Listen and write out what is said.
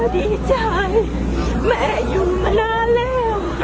ดีใจแม่หยุดมานานแล้ว